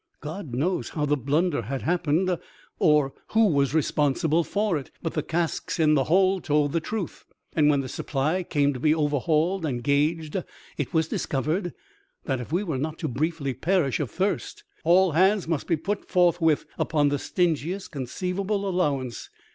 God knows how the blunder had happened or who was responsible for it; but the casks in the hold told the truth, and when the supply came to be overhauled and gauged, it was dis covered that if we were not to briefly perish of thirst all hands must be put forthwith upon the stingiest con ceivable allowance.